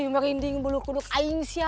merinding beluk beluk aing siya